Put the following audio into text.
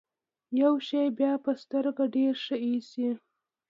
يو شی بيا په سترګو ډېر ښه اېسي.